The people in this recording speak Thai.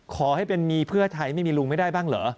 ขอให้เป็นมีเพื่อไทยไม่มีลุงไม่ได้บ้างเหรอ